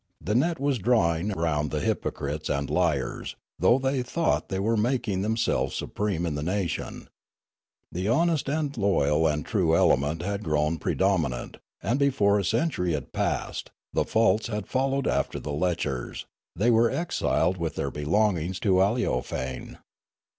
" The net was drawing round the hypocrites and liars, though they thought they were making them selves supreme in the nation. The honest and loyal and true element had grown predominant ; and before a century had passed, the false had followed after the lechers ; they were exiled with their belongings to Aleofane.